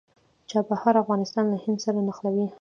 چابهار افغانستان له هند سره نښلوي